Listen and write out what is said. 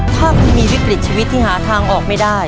ถ้าคุณมีวิกฤตชีวิตที่หาทางออกไม่ได้